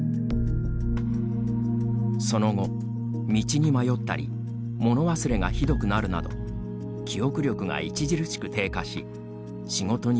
その後、道に迷ったり物忘れがひどくなるなど記憶力が著しく低下し、仕事に支障をきたすようになりました。